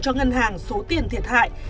cho ngân hàng số tiền thiệt hại